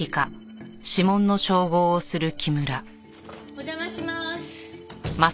お邪魔します！